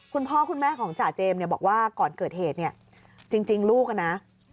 คุณพ่อคุณแม่ของจ่าเจมส์เนี่ยบอกว่าก่อนเกิดเหตุเนี่ยจริงลูกอ่ะนะ